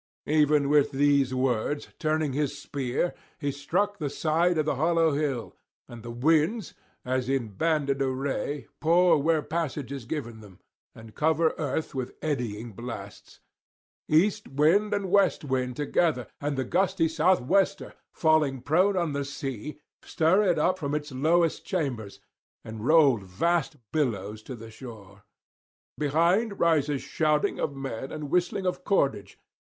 Even with these words, turning his spear, he struck the side of the hollow hill, and the winds, as in banded array, pour where passage is given them, and cover earth with eddying blasts. East wind and west wind together, and the gusty south wester, falling prone on the sea, stir it up [86 120]from its lowest chambers, and roll vast billows to the shore. Behind rises shouting of men and whistling of cordage.